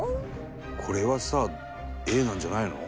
これはさＡなんじゃないの？